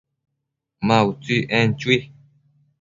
Ma utsi, en chui